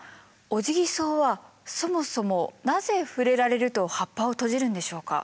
オジギソウはそもそもなぜ触れられると葉っぱを閉じるんでしょうか？